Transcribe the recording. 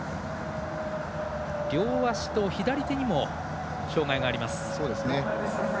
両足と左手にも障がいがあります。